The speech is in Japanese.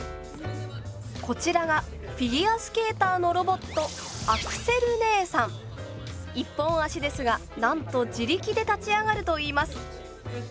こちらがフィギュアスケーターのロボット１本足ですがなんと自力で立ち上がるといいます。